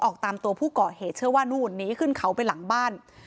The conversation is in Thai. ออกตามตัวผู้ก่อเหตุเชื่อว่านู่นหนีขึ้นเขาไปหลังบ้าน